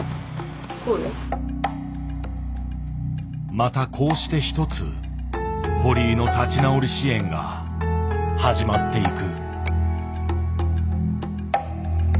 またこうして一つ堀井の立ち直り支援が始まっていく。